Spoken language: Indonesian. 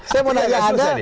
saya mau tanya anda